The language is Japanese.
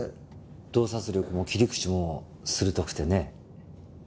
洞察力も切り口も鋭くてね。